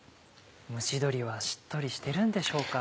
蒸し鶏はしっとりしてるんでしょうか？